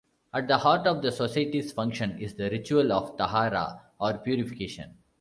At the heart of the society's function is the ritual of "tahara", or purification.